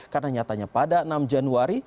karena nyatanya pada enam januari